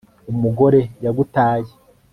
umugore yagutaye